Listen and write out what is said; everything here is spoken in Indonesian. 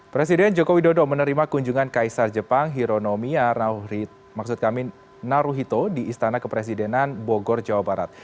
presiden joko widodo menerima kunjungan kaisar jepang hironomia naruhito di istana kepresidenan bogor jawa barat